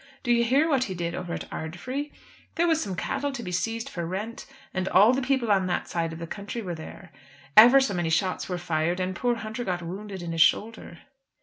Do you hear what he did over at Ardfry? There was some cattle to be seized for rent, and all the people on that side of the country were there. Ever so many shots were fired, and poor Hunter got wounded in his shoulder."